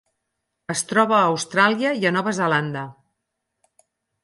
Es troba a Austràlia i a Nova Zelanda.